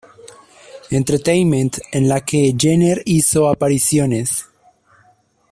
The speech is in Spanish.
Entertainment, en la que Jenner hizo apariciones.